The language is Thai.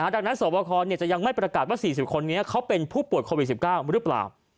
ดังนั้นสวบคจะยังไม่ประกาศว่า๔๐คนนี้เขาเป็นผู้ป่วยโควิด๑๙หรือเปล่า